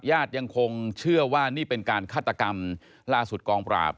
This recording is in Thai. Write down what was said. ญาติยังคงเชื่อว่านี่เป็นการฆาตกรรมล่าสุดกองปราบ